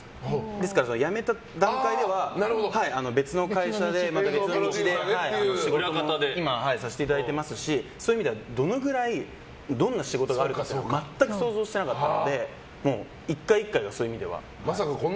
ですから、辞めた段階では別の会社で、別の道で仕事を今もさせていただいていますしそういう意味では、どのぐらいどんな仕事があるか全く想像してなかったので１回１回が、そういう意味では。